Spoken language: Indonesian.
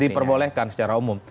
diperbolehkan secara umum